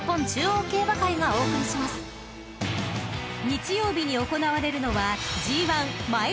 ［日曜日に行われるのは］